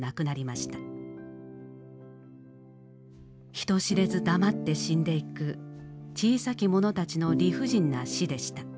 人知れず黙って死んでいく「小さきもの」たちの理不尽な死でした。